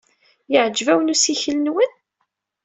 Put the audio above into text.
Yeɛjeb-awen ussikel-nwen?